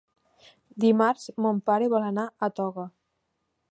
Dimarts mon pare vol anar a Toga.